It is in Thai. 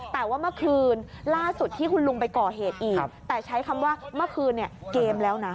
แต่ว่าเมื่อคืนล่าสุดที่คุณลุงไปก่อเหตุอีกแต่ใช้คำว่าเมื่อคืนเนี่ยเกมแล้วนะ